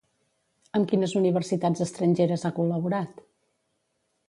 Amb quines universitats estrangeres ha col·laborat?